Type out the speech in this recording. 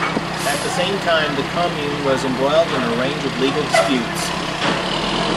At the same time, the commune was embroiled in a range of legal disputes.